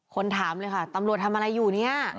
คนถามเลยค่ะตำรวจทำอะไรอยู่เนี่ย